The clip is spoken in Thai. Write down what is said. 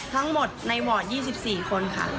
ทั้งหมดในหมด๓๔คนค่ะ